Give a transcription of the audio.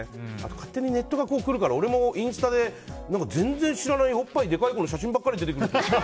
勝手にネットが来るから俺もインスタで全然知らないおっぱいでかい子の写真ばっかり出てくるんですよ。